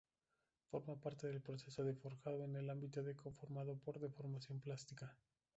Forma parte del proceso de forjado en el ámbito de conformado por deformación plástica.